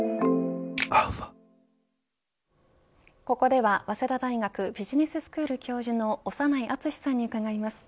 ここでは早稲田大学ビジネススクール教授の長内厚さんに伺います。